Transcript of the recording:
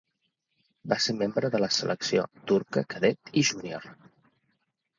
Va ser membre de la selecció turca cadet i júnior.